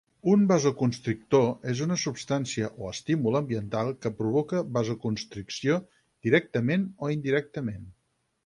Un vasoconstrictor és una substància o estímul ambiental que provoca vasoconstricció directament o indirectament.